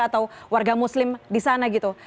atau warga muslim disana gitu